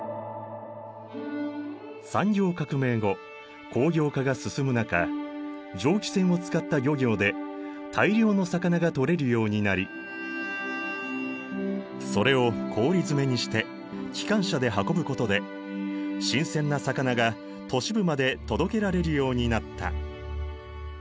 産業革命後工業化が進む中蒸気船を使った漁業で大量の魚が取れるようになりそれを氷詰めにして機関車で運ぶことで新鮮な魚が都市部まで届けられるようになった。